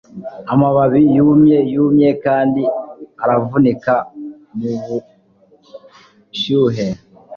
amababi yumye yumye kandi aravunika mubushuhe